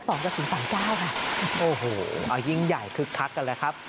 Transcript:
โอ้โหเอายิ่งใหญ่คึกคักกันเลยครับ